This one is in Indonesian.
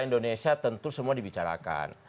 indonesia tentu semua dibicarakan